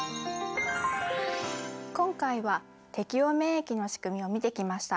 今回は適応免疫のしくみを見てきました。